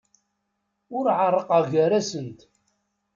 Ur ɛerrqeɣ gar-asent.